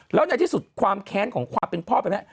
แล้วในที่สุดความแค้นของความเป็นพ่อเป็นแม่